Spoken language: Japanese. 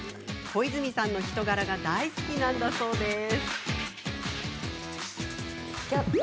小泉さんの人柄が大好きなんだそうです。